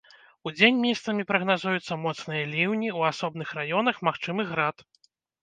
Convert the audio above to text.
Удзень месцамі прагназуюцца моцныя ліўні, у асобных раёнах магчымы град.